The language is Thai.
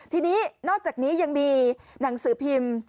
ทีนี้นอกจากนี้ยังมีหนังสือพิมพ์